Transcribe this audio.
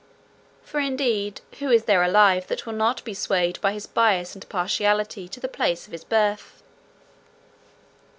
For, indeed, who is there alive that will not be swayed by his bias and partiality to the place of his birth?